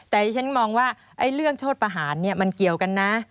แต่ที่ฉันมองว่าเรื่องโทษประหารมันเกี่ยวกันนะ